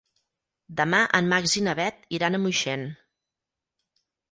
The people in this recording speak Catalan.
Demà en Max i na Bet iran a Moixent.